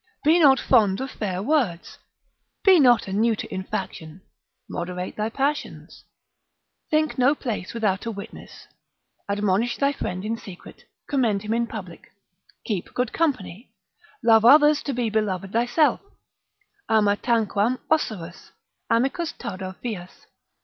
Be not fond of fair words. Be not a neuter in a faction; moderate thy passions. Think no place without a witness. Admonish thy friend in secret, commend him in public. Keep good company. Love others to be beloved thyself. Ama tanquam osurus. Amicus tardo fias.